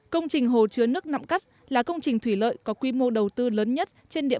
công trình hồ chứa nước nặng cắt là công trình thủy lợi có quy mô đầu tư lớn nhất trên địa